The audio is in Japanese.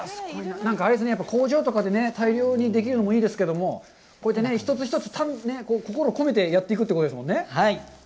なんかあれですね、工場とかでね、大量にできるのもいいですけども、こうやって一つ一つ心をこめてやっていくということですよね。